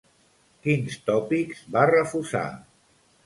Quins tòpics va refusar?